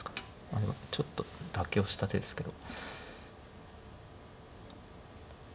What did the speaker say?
でもちょっと妥協した手ですけど。